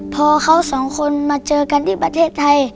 พอเขาสองคนมาเจอกันที่ประเทศไทย